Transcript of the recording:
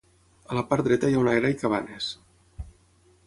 A la part dreta hi ha una era i cabanes.